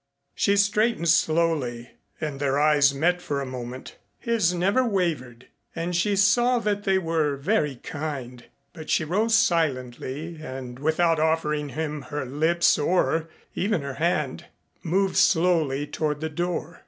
She straightened slowly and their eyes met for a moment. His never wavered, and she saw that they were very kind, but she rose silently and without offering him her lips or even her hand, moved slowly toward the door.